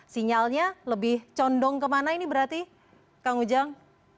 sinyalnya lebih condong kemana ini berarti kang ujang